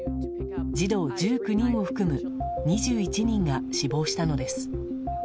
児童１９人を含む２１人が死亡したのです。